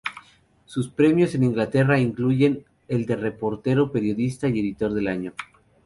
Sus premios en Inglaterra incluyen el de reportero, periodista y editor del año.